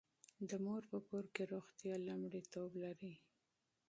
د مور په کور کې روغتیا لومړیتوب لري.